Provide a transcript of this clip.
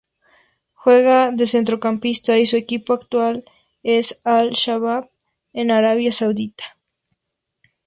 Juega de centrocampista y su equipo actual es Al-Shabab en Arabia Saudita.